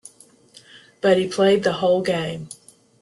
But, he played the whole game.